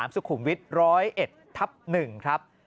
สุขุมวิทย์๑๐๑ทับ๑ครับ